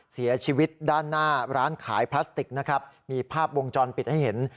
เสียชีวิตด้านหน้าร้านขายพลาสติกนะครับมีภาพวงจรปิดให้เห็น